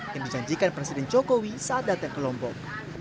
yang dijanjikan presiden jokowi saat datang ke lombok